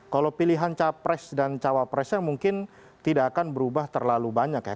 kalau pilihan capres dan cawapresnya mungkin tidak akan berubah terlalu banyak ya